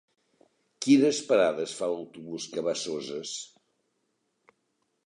Quines parades fa l'autobús que va a Soses?